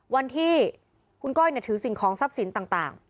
วันที่คุณก้อยถือสิ่งของทรัพย์สินต่าง